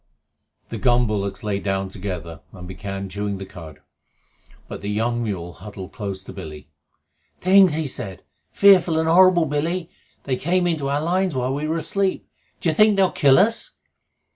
The gun bullocks lay down together and began chewing the cud, but the young mule huddled close to Billy. "Things!" he said. "Fearful and horrible, Billy! They came into our lines while we were asleep. D'you think they'll kill us?"